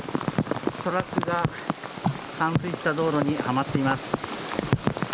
トラックが冠水した道路にはまっています。